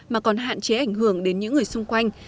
mà còn hạn chế ảnh hưởng đến những người xung quanh